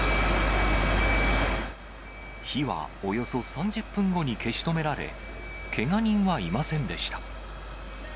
火はおよそ３０分後に消し止められ、けが人はいませんでした。